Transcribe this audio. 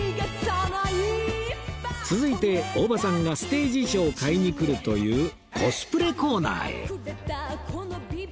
続いて大場さんがステージ衣装を買いに来るというコスプレコーナーへ